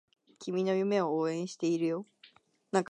君の夢を応援しているよ